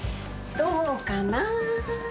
どうかなぁ。